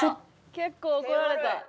結構怒られた」